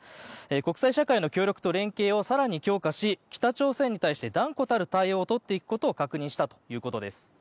国際社会の協力と連携を更に強化し北朝鮮に対して断固たる対応を取っていくことを確認したということです。